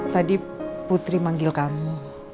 tadi putri manggil kamu